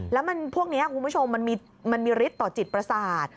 แล้วมันพวกนี้คุณผู้ชมมันมีฤทธิ์ต่อจิตประสาท